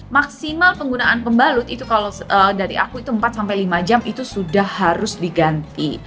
maksimal penggunaan pembalut itu kalau dari aku itu empat sampai lima jam itu sudah harus diganti